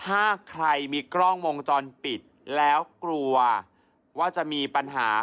ถ้าใครมีกล้องวงจรปิดแล้วกลัวว่าจะมีปัญหา